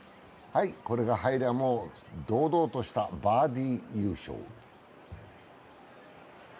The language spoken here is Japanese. これから入りゃ、もう堂々としたバーディー優勝。